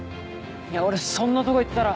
いや俺そんなとこ行ったら。